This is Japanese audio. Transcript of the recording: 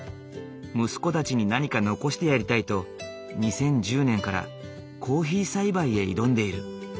息子たちに何か残してやりたいと２０１０年からコーヒー栽培へ挑んでいる。